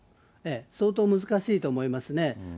相当難しいと思いますね。